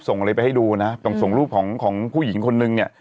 ส่งอะไรไปให้ดูนะส่งรูปของของผู้หญิงคนนึงเนี่ย